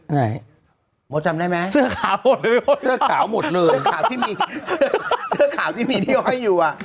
ไหนมดจำได้ไหมเสื้อขาวหมดเลยเสื้อขาวหมดเลยเสื้อขาวที่มีเสื้อขาวที่มีที่ห้อยอยู่อ่ะ